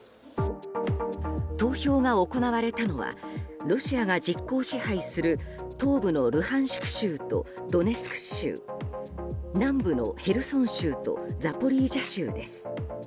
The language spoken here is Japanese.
投票が行われたのはロシアが実効支配する東部のルハンシク州とドネツク州南部のヘルソン州とザポリージャ州です。